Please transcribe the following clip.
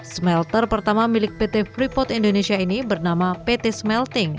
smelter pertama milik pt freeport indonesia ini bernama pt smelting